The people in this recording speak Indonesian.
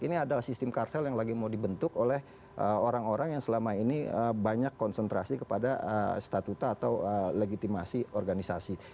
ini adalah sistem kartel yang lagi mau dibentuk oleh orang orang yang selama ini banyak konsentrasi kepada statuta atau legitimasi organisasi